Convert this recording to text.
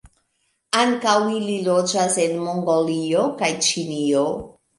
Ankaŭ ili loĝas en Mongolio kaj Ĉinio.